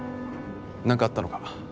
何かあったのか？